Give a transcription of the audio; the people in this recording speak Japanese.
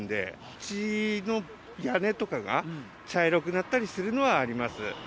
うちの屋根とかが、茶色くなったりするのはあります。